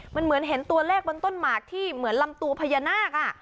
มันเหมือนเห็นตัวเลขบนต้นหมากที่เหมือนลำตัวพญานาค